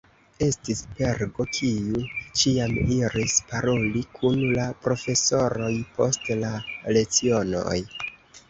Estis Pergo, kiu ĉiam iris paroli kun la profesoroj post la lecionoj.